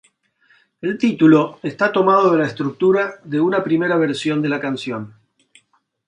El título está tomado de la estructura de una primera versión de la canción.